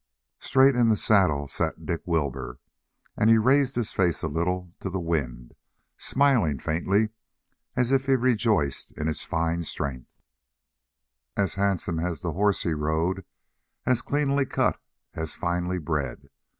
Straight in the saddle sat Dick Wilbur, and he raised his face a little to the wind, smiling faintly as if he rejoiced in its fine strength, as handsome as the horse he rode, as cleanly cut, as finely bred.